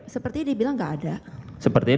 sepertinya dibilang tidak ada sepertinya